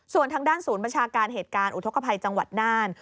ส่วนทางด้านศูนย์บัญชาการเหตุการณ์อุทธกภัยจังหวัดน่าน